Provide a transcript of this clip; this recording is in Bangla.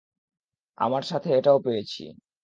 আমরা সাথে এটাও পেয়েছি।